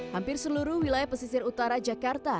hampir seluruh wilayah pesisir utara jakarta